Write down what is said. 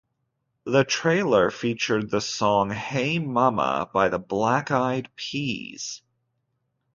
The trailer featured the song "Hey Mama" by The Black Eyed Peas.